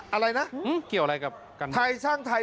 อะไรนะเกี่ยวอะไรกับไทยสร้างไทย